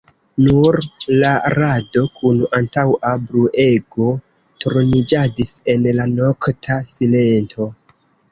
Nur la rado kun antaŭa bruego turniĝadis en la nokta silento.